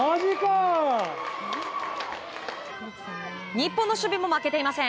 日本の守備も負けていません。